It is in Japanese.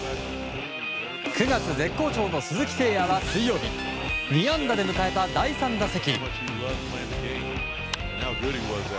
９月絶好調の鈴木誠也は水曜日２安打で迎えた第３打席。